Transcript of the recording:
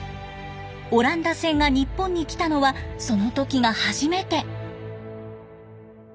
オランダ船が日本に来たのはその時が初めて。